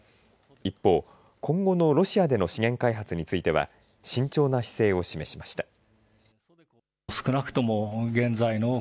一方、今後のロシアでの資源開発については慎重な姿勢を示しました。